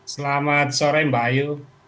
selamat sore mbak ayu